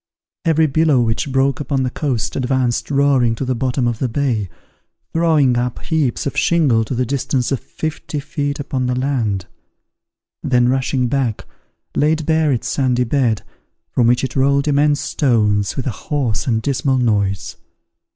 Every billow which broke upon the coast advanced roaring to the bottom of the bay, throwing up heaps of shingle to the distance of fifty feet upon the land; then, rushing back, laid bare its sandy bed, from which it rolled immense stones, with a hoarse and dismal noise.